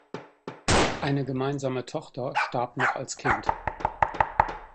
Eine gemeinsame Tochter starb noch als Kind.